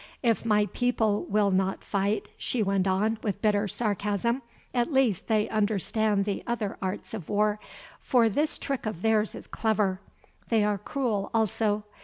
"If my people will not fight," she went on, with bitter sarcasm, "at least they understand the other arts of war, for this trick of theirs is clever. They are cruel also.